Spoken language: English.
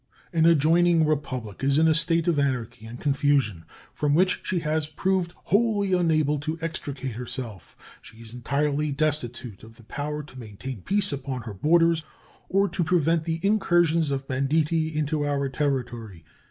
An adjoining Republic is in a state of anarchy and confusion from which she has proved wholly unable to extricate herself. She is entirely destitute of the power to maintain peace upon her borders or to prevent the incursions of banditti into our territory.